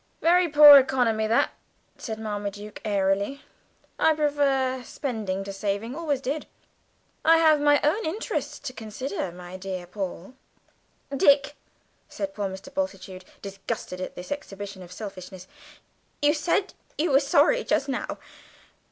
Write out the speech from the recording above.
"Very poor economy that," said Marmaduke airily. "I prefer spending to saving, always did. I have my own interests to consider, my dear Paul." "Dick," said poor Mr. Bultitude, disgusted at this exhibition of selfishness, "you said you were sorry just now.